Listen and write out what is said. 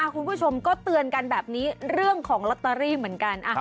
คุณผู้ชมก็เตือนกันแบบนี้เรื่องของลอตเตอรี่เหมือนกัน